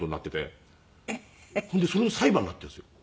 ほんでそれが裁判になってるんですよ。